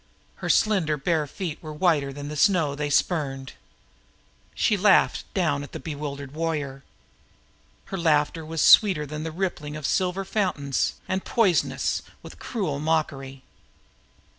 Her slender bare feet were whiter than the snow they spurned. She laughed, and her laughter was sweeter than the rippling of silvery fountains, and poisonous with cruel mockery.